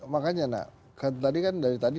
makanya nah tadi kan dari tadi